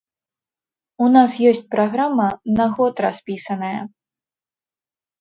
У нас ёсць праграма, на год распісаная.